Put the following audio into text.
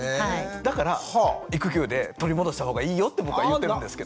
だから育休で取り戻したほうがいいよって僕は言ってるんですけどね。